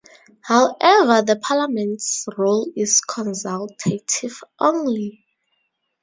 However, the parliament's role is consultative only.